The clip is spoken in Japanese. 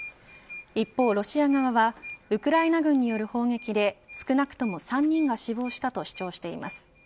一方、ロシア側はウクライナ軍による砲撃で少なくとも３人が死亡したと主張しています。